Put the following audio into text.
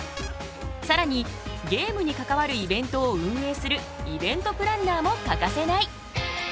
さらにゲームに関わるイベントを運営するイベントプランナーも欠かせない。